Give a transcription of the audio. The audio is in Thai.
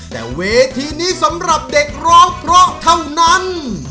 แต่เวทีนี้สำหรับเด็กร้องเพราะเท่านั้น